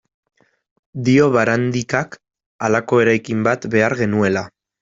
Dio Barandikak, halako eraikin bat behar genuela.